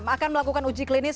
akan melakukan uji klinis